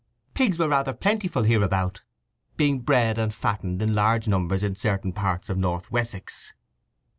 Pigs were rather plentiful hereabout, being bred and fattened in large numbers in certain parts of North Wessex.